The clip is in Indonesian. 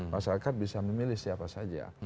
masyarakat bisa memilih siapa saja